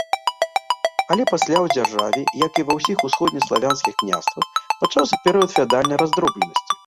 Але пасля ў дзяржаве, як і ва ўсіх усходнеславянскіх княствах, пачаўся перыяд феадальнай раздробленасці.